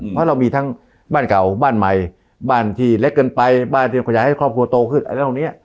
เพราะเรามีทั้งบ้านเก่าบ้านใหม่บ้านที่เล็กเกินไปบ้านเตรียมขยายให้ครอบครัวโตขึ้นอะไรพวกนี้